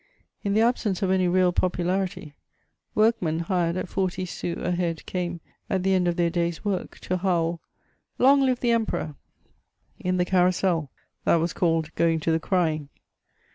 In the absence of any real popularity, workmen hired at forty sous a head came, at the end of their day's work, to howl, "Long live the Emperor!" in the Carrousel. That was called "going to the crying."